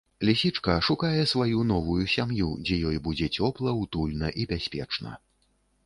Лісічка шукае сваю новую сям'ю, дзе ёй будзе цёпла, утульна і бяспечна.